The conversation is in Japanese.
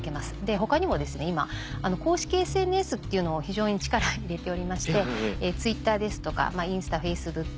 他にも今公式ＳＮＳっていうのを非常に力を入れておりましてＴｗｉｔｔｅｒですとかインスタＦａｃｅｂｏｏｋ